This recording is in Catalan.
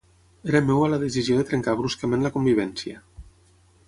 Era meua la decisió de trencar bruscament la convivència.